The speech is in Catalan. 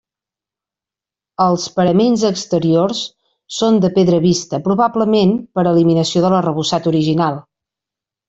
Els paraments exteriors són de pedra vista, probablement per eliminació de l'arrebossat original.